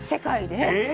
え